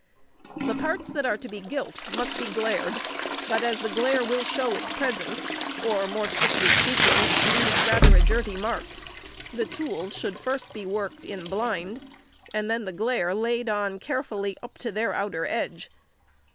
The parts that are to be gilt must be glaired, but as the glaire will show its presence, or, more strictly speaking, leave rather a dirty mark, the tools should first be worked in blind, and the glaire laid on carefully up to their outer edge.